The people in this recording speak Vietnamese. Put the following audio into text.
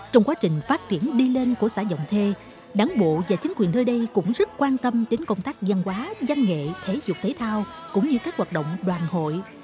trong quá trình phát triển đi lên của xã dọng thê đảng bộ và chính quyền nơi đây cũng rất quan tâm đến công tác gian hóa gian nghệ thể dục thể thao cũng như các hoạt động đoàn hội